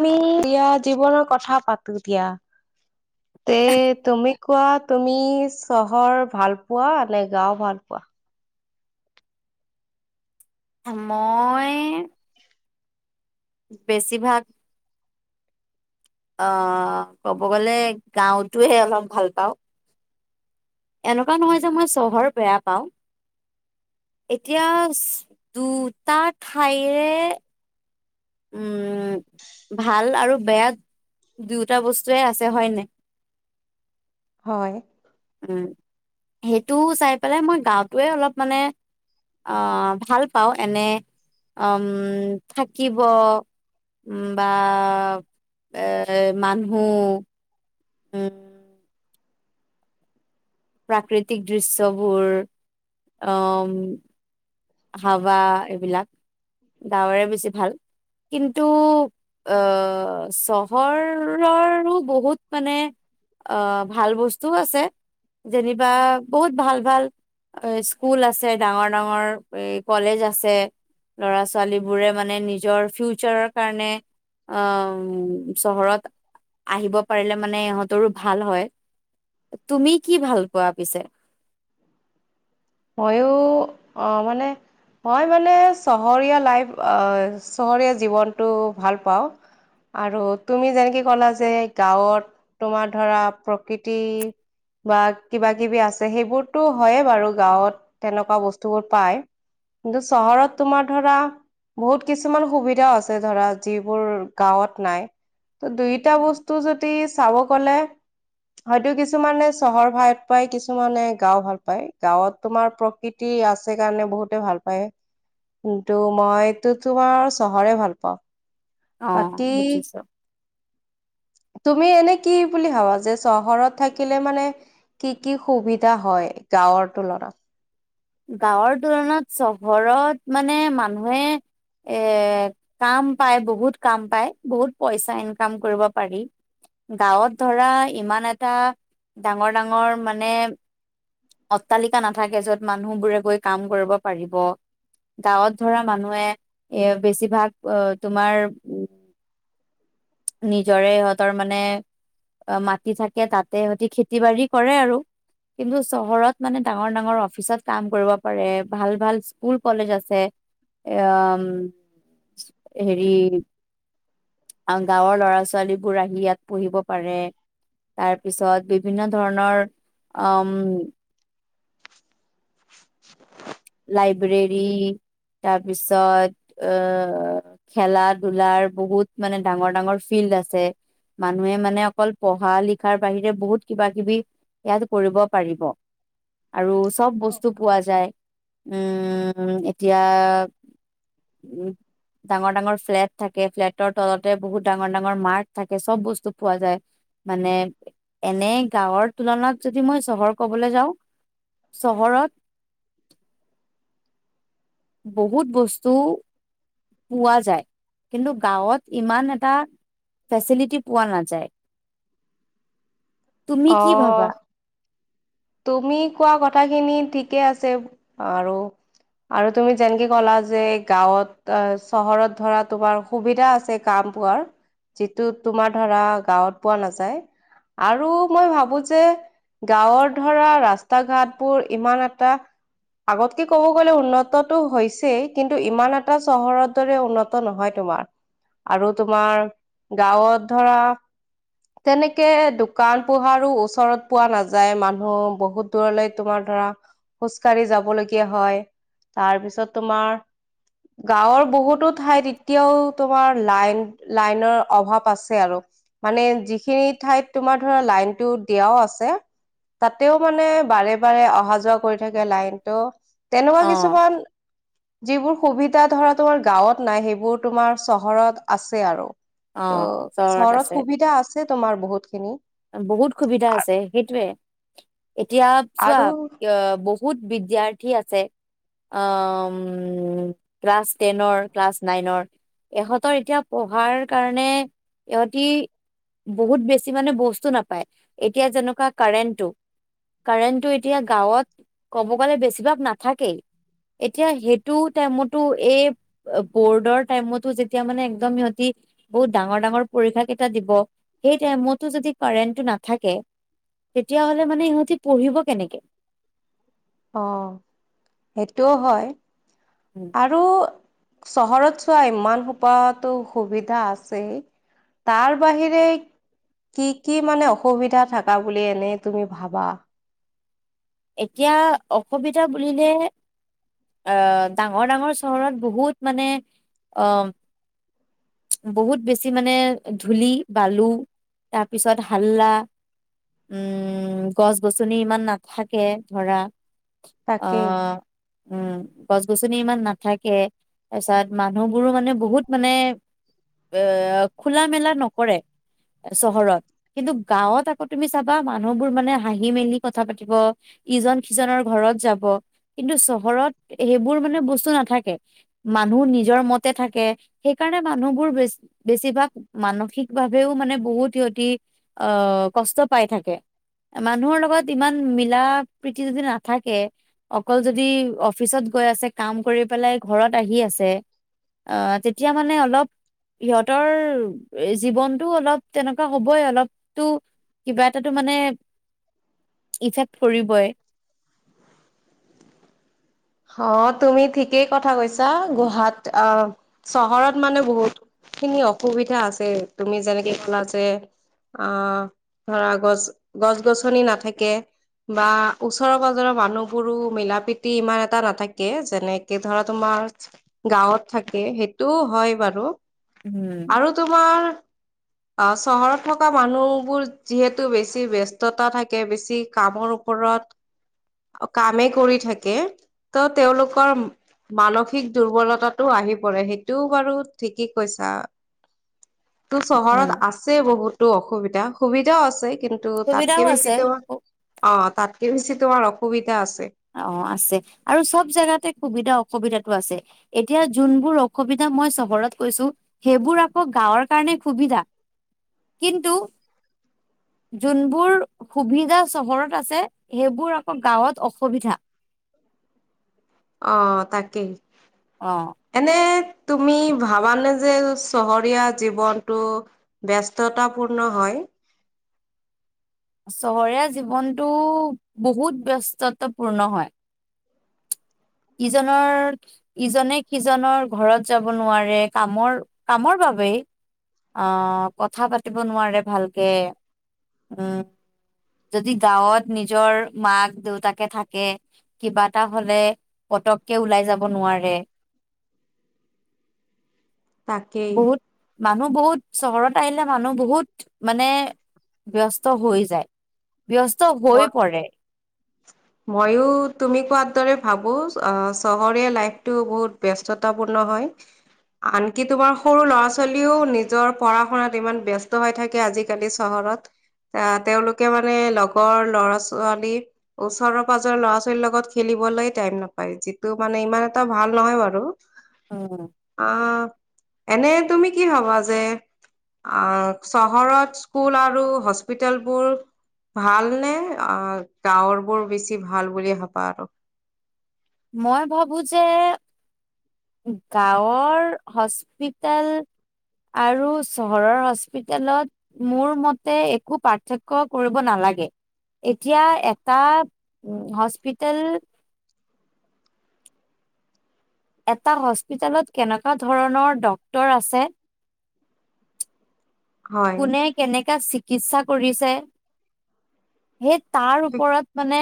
তুমি দিয়া জীৱনৰ কথা পাতো দিয়া তে তুমি কোৱা তুমি চহৰ ভাল পোৱা নে গাও ভাল পোৱা মই বেছিভাগ অ ক'ব গলে গাওঁতোহে অলপ ভাল পাওঁ এনেকুৱা নহয় যে মই চহৰ বেয়া পাওঁ এতিয়া দুটা ঠাইৰে উম ভাল আৰু বেয়া দুয়োটা বস্তুৱে আছে হয়নে হয় উম সেইটো চাই পেলাই মই গাওঁটোৱে অলপ মানে আহ ভাল পাওঁ এনে উম থাকিব উ বা এৰ মানুহ উ প্ৰাকৃতিক দৃশ্যবোৰ উম হাৱা এইবিলাক গাঁৱৰে বেছি ভাল কিন্তু আহ চহৰ ৰো বহুত মানে অ ভাল বস্তুও আছে যেনিবা বহুত ভাল ভাল স্কুল আছে ডাঙৰ ডাঙৰ কলেজ আছে ল'ৰা ছোৱালী বোৰে মানে নিজৰ ফিউচাৰৰ কাৰণে আহ চহৰত আহিব পাৰিলে মানে ইহঁতৰো ভাল হয় তুমি কি ভাল পোৱা পিছে ময়ো আহ মানে মই মানে চহৰীয়া লাইফ চহৰীয়া জীৱনটো ভাল পাওঁ আৰু তুমি যেনেকে ক'লা যে গাঁৱত তোমাৰ ধৰা প্ৰকৃতি বা কিবা কিবি আছে সেইবোৰতো হয়ে বাৰু গাঁৱত তেনেকুৱা বস্তুবোৰ পায় কিন্তু চহৰত তোমাৰ ধৰা বহুত কিছুমান সুবিধাও আছে ধৰা যিবোৰ গাঁৱত নাই ত দুইটা বস্তু যদি চাব গলে হয়তো কিছুমানে চহৰ ভাল পায় কিছুমানে গাঁও ভাল পায় গাঁৱত তোমাৰ প্ৰকৃতি আছে কাৰণে বহুতে ভাল পায় কিন্তু মইতো তোমাৰ চহৰে ভাল পাওঁ অ বাকী বুজিছ তুমি এনে কি বুলি ভাবা যে চহৰত থাকিলে মানে কি কি সুবিধা হয় গাঁৱৰ তুলনাত গাঁৱৰ তুলনাত চহৰত মানে মানুহে এ কাম পায় বহুত কাম পায় বহুত পইচা ইনকাম কৰিব পাৰি গাঁৱত ধৰা ইমান এটা ডাঙৰ ডাঙৰ মানে অট্টালিকা নাথাকে য'ত মানুহ বোৰে গৈ কাম কৰিব পাৰিব গাঁৱত ধৰা মানুহে এ বেছিভাগ তোমাৰ উ নিজৰে সহঁতৰ মানে মাটি থাকে তাতে সেই খেতি বাাৰি কৰে আৰু কিন্তু চহৰত মানে ডাঙৰ ডাঙৰ অফিচত কাম কৰিব পাৰে ভাল ভাল স্কুল কলেজ আছে এ হেৰি গাঁৱৰ লৰা ছোৱালীবোৰ আহি ইয়াত পঢ়িব পাৰে তাৰ পিছত বিভিন্ন ধৰণৰ উ লাইব্ৰেৰী তাৰপিছত এ খেলা ধূলাৰ বহুত মানে ডাঙৰ ডাঙৰ ফিল্ড আছে মানুহে মানে অকল পঢ়া লিখাৰ বাহিৰে বহুত কিবা কিবি ইয়াত কৰিব পাৰিব আৰু চব বস্তু পোৱা যায় উম এতিয়া উ ডাঙৰ ডাঙৰ ফ্লেট থাকে ফ্লেটৰ তলতে বহুত ডাঙৰ ডাঙৰ মাৰ্ট থাকে চব বস্তু পোৱা যায় মানে এনে গাঁৱৰ তুলনাত যদি মই চহৰ কবলৈ যাওঁ চহৰত বহুত বস্তু পোৱা যায় কিন্তু গাঁৱত ইমান এটা ফেচিলিটি পোৱা নাযায় তুমি অ কি ভাবা তুমি কোৱা কথাখিনি ঠিকে আছে আৰু আৰু তুমি যেনেকে কলা যে গাঁৱত চহৰত ধৰা তোমাৰ সুবিধা আছে কাম পোৱাৰ যিটো তোমাৰ ধৰা গাঁৱত পোৱা নাযায় আৰু মই ভাবো যে গাঁৱত ধৰা ৰাস্তা ঘাটবোৰ ইমান এটা আগতকে ক'ব গলে উন্নততটো হৈছেই কিন্তু ইমান এটা চহৰৰ দৰে উন্নত নহয় তোমাৰ আৰু তোমাৰ গাঁৱত ধৰা তেনেকে দোকান পোহাৰো ওচৰত পোৱা নাযায় মানুহ বহুত দূৰলৈ তোমাৰ ধৰা খোজ কঢ়ি যাব লগগীয়া হয় তাৰপিছত তোমাৰ গাঁৱৰ বহুতো ঠাইত এতিয়াও তোমাৰ লাইন লাইনৰ অভাৱ আছে আৰু মানে যিখিনি ঠাইত তোমাৰ ধৰা লাইনটো দিয়াও আছে তাতেও মানে বাৰে বাৰে অহা যোৱা কৰি থাকে লাইনতটো তেনেকুৱা অ কিছুমান যিবোৰ সুবিধা ধৰা তোমাৰ গাঁৱত নাই সেইবোৰ তোমাৰ চহৰত আছে আৰু অ ত' আছে চহৰত সুবিধা আছে তোমাৰ বহুত খিনি বহুত সুবিধা আছে সেইটোৱে এতিয়া চোৱা আৰু বহুত বিদ্যাৰ্থী আছে। ক্লাছ টেনৰ ক্লাছ নাইনৰ ইহঁতৰ এতিয়া পঢ়াৰ কাৰণে ইহতি বহুত বেছি মানে বস্ত নাপায় এতিয়া যেনেকুৱা কাৰেন্টো কাৰেন্টো এতিয়া গাঁৱত কব গলে বেছিভাগ নাথাকেই এতিয়া সেইটো টাইমতো এই বৰ্ডৰ টাইমতো যেতিয়া মানে একম সিহতি বহুত ডাঙৰ ডাঙৰ পৰীক্ষা কেইটা দিব সেই মো যদি কাৰেণ্টটো নাথাকে তেতিয়া হলে মানে সিহঁতি পঢ়িব কেনেকে অ সেইটোও হয় উম, আৰু চহৰত চোৱা ইমান সোপাটো সুবিধা আছে তাৰ বাহিৰে কি কি মানে অসুবিধা থাকা বুলি এনে তুমি ভাবা এতিয়া অসুবিধা বুলিলে আহ ডাঙৰ ডাঙৰ চহৰত বহুত মানে আহ বহুত বেছি মানে ধূলি বালু তাৰপিছত হাল্লা উম গছ গছনি ইমান নাথাকে ধৰা অ তাকেই উম গছ গছনি ইমান নাথাকে তাৰপিছত মানুহবোৰো মানে বহুত মানে এ খোলা মেলা নকৰে চহৰত কিন্তু গাঁৱত আকৌ তুমি চাবা মানুহবোৰ মানে হাঁহি মেলি কথা পাতিব ইজন সিজনৰ ঘৰত যাব কিন্তু চহৰত সেইবোৰ মানে বস্তু নাথাকে মানুহ নিজৰ মতে থাকে সেইকাৰণে মানুহবোৰ বেছিভাগ মানসিক ভাৱেও মানে বহুত সিহতি আহ কষ্ট পাই থাকে মানুহৰ লগত ইমান প্ৰ যদি নাথাকে অকল যদি অফিচত গৈ আছে কাম কৰি পেলাই ঘৰত আহি আছে তেতিয়া মানে অলপ সিহঁতৰ জীৱনটো অলপ তেনেকুৱা হ'বই অলপো কিবা এটাটো মানে ফৰিবই অ তুমি ঠিকেই কথা কৈছা গহাত অ চহৰত মানে বহুত খিনি অসুবিধা আছে তুমি যেনেকে ফলা যে অ ধৰা গছ গছ গছনি নাথাকে বা ওচৰ পাজৰৰ মানুহবোৰো মিলা প্ৰীতি ইমান এ এটা নাথাকে যেনেকে ধৰা তোমাৰ গাঁৱত থাকে সেইটোও হয় বাৰু উম আৰু তোমাৰ আহ চহৰত থকা মানুহবোৰ যিহেতু বেছি ব্যস্ততা থাকে বেছি কামৰ ওপৰত কামেই কৰি থাকে ত তেওঁলোকৰ মানসিক দুৰ্বলতাটো আহি পৰে সেইটোও বাৰু ঠিকেই কৈছা ত' উম চহৰত আছেই বহুতো অসুবিধা সুবিধাও আছে কিন্তু সুবিধাও তাতকে আছে বেছি ত অ তাত কিছি তোমাৰ অসুবিধা আছে অ আছে আৰু চব জোগাতে সুবিধা অসুবিধাতটো আছে এতিয়া যোনবোৰ অসুবিধা মই চহৰত কৈছো সেইবোৰ আকৌ গাঁৱৰ কাৰণে সুবিধা কিন্তু যোনবোৰ সুবিধা চহৰত আছে সেইবোৰ আকৌ গাঁৱত অস সুবিধা অ তাকেই এনে তুমি ভাবানে যে চহৰীয়া জীৱনটো ব্যস্ততা পূৰ্ণ হয় চহৰীয়া জীৱনটো বহুত ব্যস্তত্বপূৰ্ণ হয় ইজনৰ ইজনে সিজনৰ ঘৰত যাব নোৱাৰে কামৰ কামৰ বাবেই আহ কথা পাতিব নোৱাৰে ভালকে উম যদি গাঁৱত নিজৰ মাক দেউতাকে থাকে কিবা এটা হলে পতককে ওলাই যাব নোৱাৰে তাকেই বহুত মানুহ বহুত চহৰত আহিলে মানুহ বহুত মানে ব্যস্ত হৈ যায় ব্যস্ত হৈ মই পৰে ময়ো তুমি কোৱাৰ দৰে ভাবো আহ চহৰীয়া লাইফটো বহুত ব্যস্ততাপূৰ্ণ হয় আনকি তোমাৰ সৰু ল'ৰা ছোৱালীও নিজৰ পঢ়া শুনাত ইমান ব্যস্ত হৈ থাকে আজিকালি চহৰত এ তেওঁলোকে মানে ৰ ল'ৰা ছোৱালী ওচৰৰ পাজৰ ল'ৰা ছোৱালীৰ লগত খেলিবলৈ টাইম নাপায় যিটো মানে ইমান এটা ভাল নহয় বাৰু উম অ এনে তুমি কি হবা যে আহ চহৰত স্কুল আৰু হস্পিতেলবোৰ ভালনে অ গাঁৱৰ বোৰ বেছি ভাল বুলি ভাবা আৰু মই ভাবো যে গাঁৱৰ হস্পিতেল আৰু চহৰৰ হস্পিতেলত মোৰ মতে একো পাৰ্থক্য কৰিব নালাগে এতিয়া এটা হস্পিতেেল এটা হস্পিতেলত কেনেকুৱা ধৰণৰ ডক্তৰ আছে কোনে হয়। কেনেকা চিকিৎসা কৰিছে সেই তাৰ ওপৰত মানে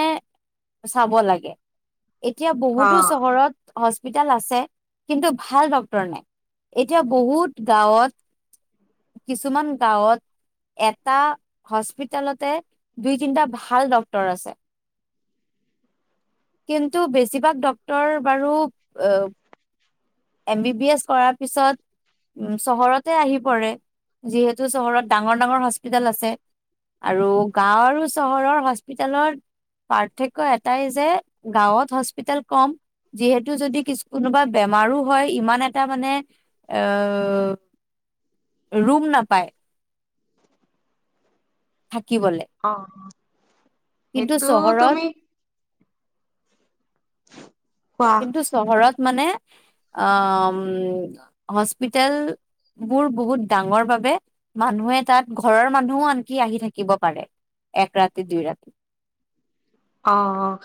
চাব লাগে এতিয়া হা বহুতো চহৰত হস্পিতেল আছে কিন্তু ভাল ডক্তৰ নাই এতিয়া বহুত গাঁৱত কিছুমান গাঁৱত এটা হস্পিতেলতে দুই তিনিটা ভাল ডক্তৰ আছে কিন্তু বেছিভাগ ডক্তৰ বাৰু এম বি বি এছ কৰাৰ পিছত উ চহৰতে আহি পৰে যিহেতু চহৰত ডাঙৰ ডাঙৰ হস্পিতেল আছে আৰু গাঁও আৰু চহৰৰ হস্পিতেলৰ পাৰ্থক্য এটাই যে গাঁৱত হস্পিতেল কম যিহেতু যদি কিছু কোনোবা বেমাৰো হয় ইমান এটা মানে ৰুম নাপায় থাকিবলে অ কিন্তু সেইটো চহৰত তুমি কোৱা কিন্তু চহৰত মানে আহ হস্পিতেলবোৰ বহুত ডাঙৰ বাবে মানুহে তাত ঘৰৰ মানুহো আনকি আহি থাকিব পাৰে এক ৰাতি দুই ৰাতি অ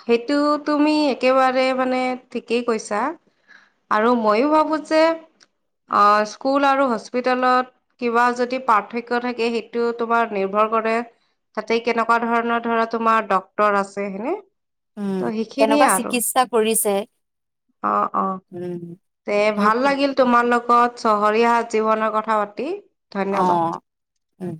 সেইটো তুমি একেবাৰে মানে ঠিকেই কৈছা আৰু মইয়ো ভাবো যে অ স্কুল আৰু হস্পিতেলত কিবা যদি পাৰ্থক্য থাকে সেইটো তোমাৰ নিৰ্ভৰ কৰে তাতে কেনেকোৱা ধৰণৰ ধৰা তোমাৰ ডক্তৰ আছে যে সেনে উম কেনেকোৱা চিকিৎসা কৰিছে অ অ উম তে ভাল সেইখিনিয়ে লাগিল তোমাৰ লগত ত চহৰীয়া জীৱনৰ কথা পাতি অ ধন্যবাদ উম